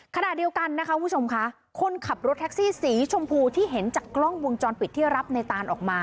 ขณะเดียวกันนะคะคุณผู้ชมค่ะคนขับรถแท็กซี่สีชมพูที่เห็นจากกล้องวงจรปิดที่รับในตานออกมา